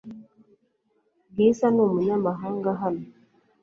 Bwiza ni umunyamahanga hano .